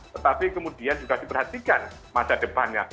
tetapi kemudian juga diperhatikan masa depannya